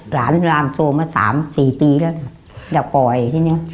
หลานลามโซมา๓๔ปีแล้วอยากปล่อยทีนี้